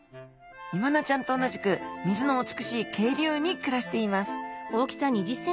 イワナちゃんと同じく水の美しい渓流に暮らしています